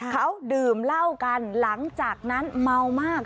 เขาดื่มเหล้ากันหลังจากนั้นเมามาก